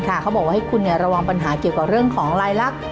เขาบอกว่าให้คุณระวังปัญหาเกี่ยวกับเรื่องของลายลักษณ